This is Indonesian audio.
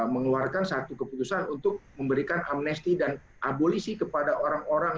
mengeluarkan satu keputusan untuk memberikan amnesti dan abolisi kepada orang orang